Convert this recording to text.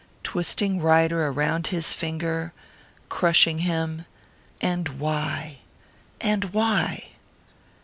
Twisting Ryder around his finger, crushing him and why? And why?